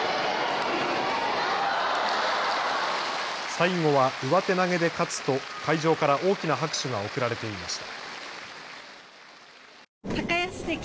最後は上手投げで勝つと会場から大きな拍手が送られていました。